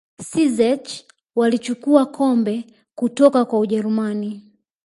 czech walichukua kombe kutoka kwa ujerumani